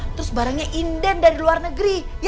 terus barangnya inden dari luar negeri